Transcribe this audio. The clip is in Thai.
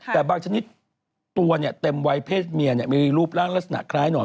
แต่บางชนิดตัวเต็มวัยเภษเมียมีรูปร่างล่าสนักคล้ายหน่อย